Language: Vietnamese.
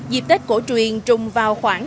dịp tết cổ truyền trùng vào khoảng